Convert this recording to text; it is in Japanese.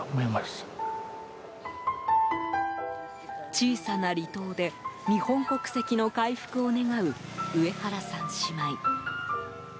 小さな離島で日本国籍の回復を願うウエハラさん姉妹。